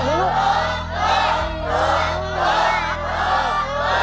ถูก